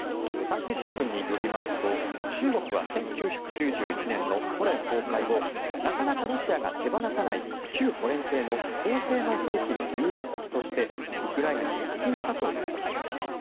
産経新聞によりますと中国は１９９１年のソ連崩壊後なかなかロシアが手放さない旧ソ連製の高性能兵器の入手先としてウクライナに接近したということなんです。